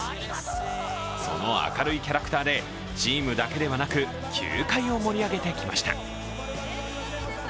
その明るいキャラクターで、チームだけではなく球界を盛り上げてきました。